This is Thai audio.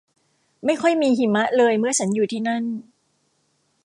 ไม่ค่อยมีหิมะเลยเมื่อฉันอยู่ที่นั่น